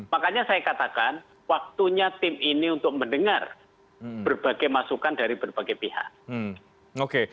makanya saya katakan waktunya tim ini untuk mendengar berbagai masukan dari berbagai pihak